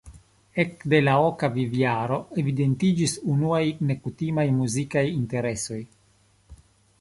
Ekde la oka vivjaro evidentiĝis unuaj nekutimaj muzikaj interesoj.